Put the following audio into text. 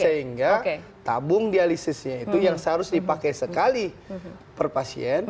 sehingga tabung dialisisnya itu yang seharusnya dipakai sekali per pasien